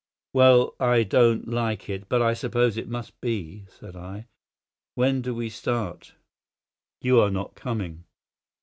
"Well, I don't like it; but I suppose it must be," said I. "When do we start?" "You are not coming."